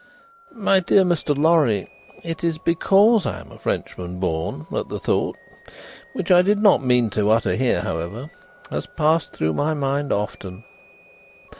"My dear Mr. Lorry, it is because I am a Frenchman born, that the thought (which I did not mean to utter here, however) has passed through my mind often.